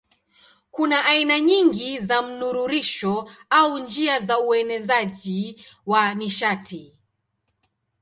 Kuna aina nyingi za mnururisho au njia za uenezaji wa nishati.